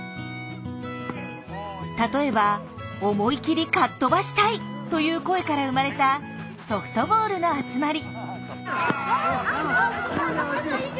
例えば「思い切りかっ飛ばしたい！」という声から生まれたソフトボールの集まり。